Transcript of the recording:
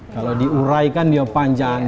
kalau diuraikan dia panjang